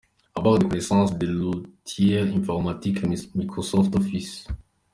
Avoir des connaissances de l’outil informatique Microsoft Office.